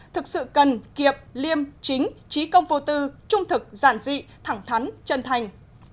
thực sự cần kiệm liêm chính trí công vô tư trung thực giản dị thẳng thắn chân thành